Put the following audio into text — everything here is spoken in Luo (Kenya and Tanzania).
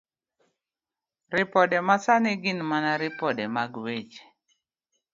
Ripode Masani Gin mana ripode mag weche